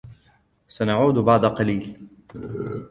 سنعود بعد قليل.